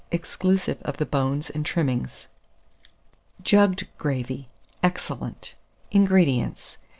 exclusive of the bones and trimmings. JUGGED GRAVY (Excellent). 441. INGREDIENTS.